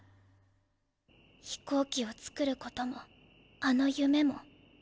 飛行機をつくることもあのゆめも。